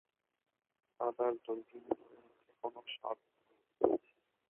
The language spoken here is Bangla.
দাদার দুই দিন ধরে মুখে কোনো স্বাদ নেই।